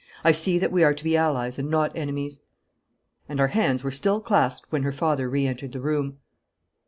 'I see that we are to be allies and not enemies.' And our hands were still clasped when her father re entered the room.